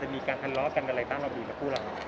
จะมีการทันเลาะกันอะไรต้องเราบีบกับผู้หลัง